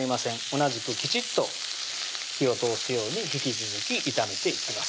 同じくきちっと火を通すように引き続き炒めていきます